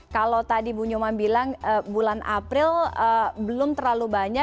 kalau tadi bu nyoman bilang bulan april belum terlalu banyak